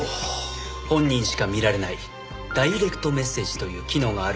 本人しか見られないダイレクトメッセージという機能があるんですが。